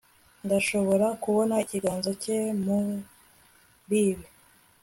Ndashobora kubona ikiganza cye muribi